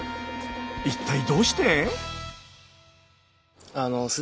一体どうして？